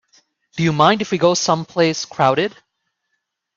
Do you mind if we go someplace crowded?